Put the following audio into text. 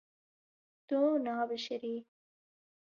Tu nabişirî.